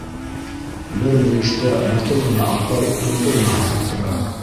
Бер мөйөштә матур ғына апай туңдырма һатып тора.